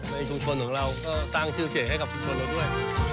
ในชุมชนของเราก็สร้างชื่อเสียงให้กับชุมชนเราด้วย